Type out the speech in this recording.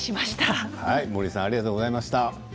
はい森さんありがとうございました。